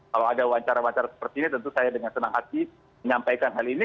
kalau ada wawancara wacana seperti ini tentu saya dengan senang hati menyampaikan hal ini